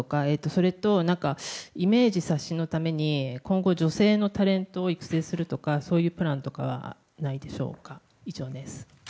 それと、イメージ刷新のために今後女性のタレントを育成するとか、そういうプランはないでしょうか。